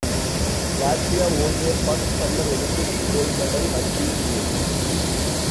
Latvia won their first summer Olympic gold medal at these games.